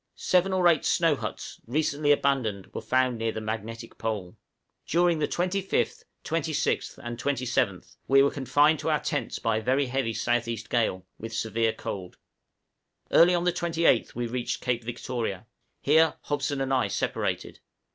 Seven or eight snow huts, recently abandoned, were found near the magnetic pole. During the 25th, 26th, and 27th, we were confined to our tents by a very heavy south east gale, with severe cold. Early on the 28th we reached Cape Victoria; here Hobson and I separated.